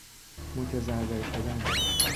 متضرر شدن